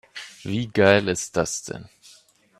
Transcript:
Wie geil ist das denn?